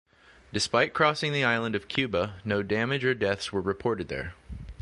Despite crossing the island of Cuba, no damage or deaths were reported there.